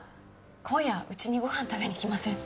今夜うちにごはん食べに来ません？